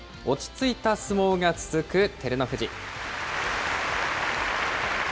落ち着いた相撲が続く照ノ富士。